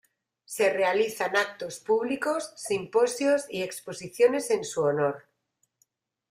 Se realizan actos públicos, simposios y exposiciones en su honor.